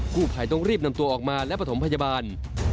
ผู้ภัยต้องรีบนำตัวออกมาและประถมพยาบาล